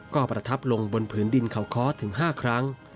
ก็ประทับลงบนผืนดินเขาค้อถึง๕ครั้ง